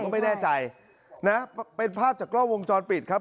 ก็ไม่แน่ใจนะเป็นภาพจากกล้องวงจรปิดครับ